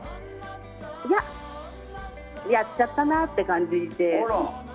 いや、やっちゃったなという感じで。